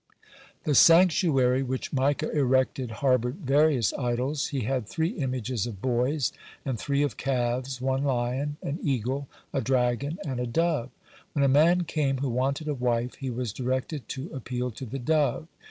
The sanctuary which Micah erected harbored various idols. He had three images of boys, and three of calves, one lion, an eagle, a dragon, and a dove. When a man came who wanted a wife, he was directed to appeal to the dove.